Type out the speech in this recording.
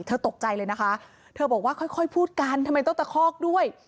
ตกใจเลยนะคะเธอบอกว่าค่อยพูดกันทำไมต้องตะคอกด้วย